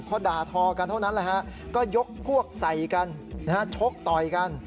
เพราะด่าทอกันเท่านั้นก็ยกพวกใส่กันชกต่อยกัน